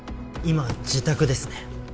今自宅ですね